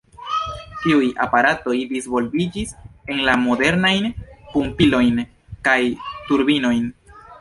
Tiuj aparatoj disvolviĝis en la modernajn pumpilojn kaj turbinojn.